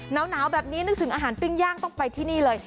หนาวแบบนี้นึกถึงอาหารปิ้งย่างต้องไปที่นี่เลย